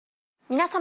皆様。